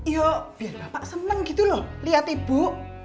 yuk biar bapak seneng gitu loh liat ibu